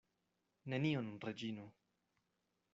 Nenion, Reĝino.